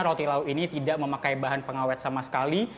roti lau ini tidak memakai bahan pengawet sama sekali